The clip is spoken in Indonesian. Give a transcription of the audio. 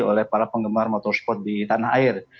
oleh para penggemar motorsport di tanah air